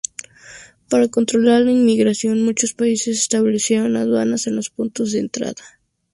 Para controlar la inmigración, muchos países establecen aduanas en los puntos de entrada.